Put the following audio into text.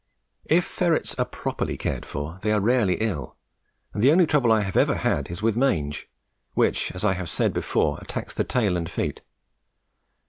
If ferrets are properly cared for they are rarely ill, and the only trouble I have ever had is with mange, which, as I have said before, attacks the tail and feet.